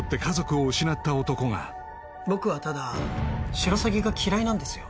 僕はただシロサギが嫌いなんですよ